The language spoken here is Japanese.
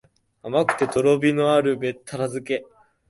甘くてとろみのあるべったら漬け